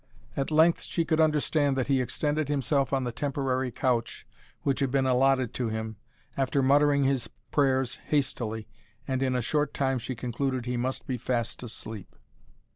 At length she could understand that he extended himself on the temporary couch which had been allotted to him, after muttering his prayers hastily, and in a short time she concluded he must be fast asleep.